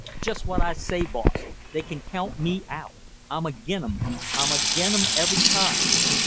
"Just what I say, boss! They can count me out I'm agin 'em, I'm agin 'em every time!"